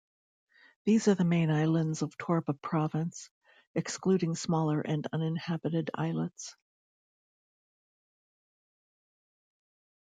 These are the main islands of Torba Province, excluding smaller and uninhabited islets.